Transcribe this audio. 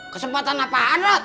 kesempatan apaan rot